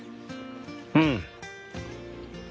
うん。